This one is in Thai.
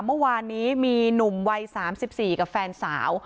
เมื่อวานนี้มีหนุ่มวัยสามสิบสี่กับแฟนสาว